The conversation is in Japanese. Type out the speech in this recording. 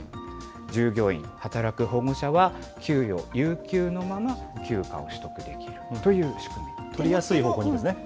従業員、働く保護者は、給与、有給のまま、休暇を取得できるという仕組みです。